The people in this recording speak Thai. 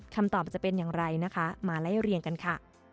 คำตอบจะเป็นอย่างไรนะคะมาไล่เรียงกันค่ะ